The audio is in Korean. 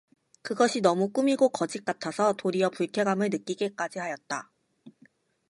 그것이 너무 꾸미고 거짓 같아서 도리어 불쾌감을 느끼게까지 하였다.